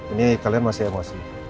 ini kalian masih emosi